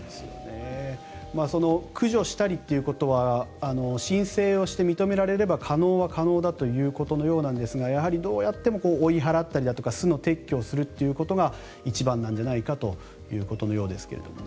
駆除したりということは申請をして認められれば可能は可能だということのようなんですがやはり、どうやっても追い払ったりだとか巣の撤去をするということが一番じゃないかということのようですが。